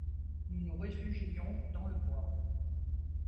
Nous nous réfugiions dans le bois.